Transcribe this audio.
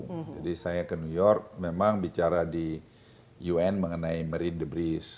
jadi saya ke new york memang bicara di un mengenai marine debris